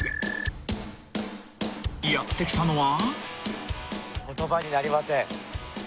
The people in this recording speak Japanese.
［やって来たのは］